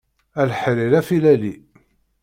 A leḥrir afilali.